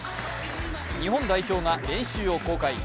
日本代表が練習を公開。